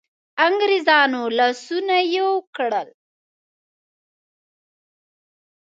انګرېزانو لاسونه یو کړل.